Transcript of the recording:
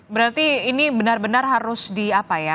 berarti ini benar benar harus diapa ya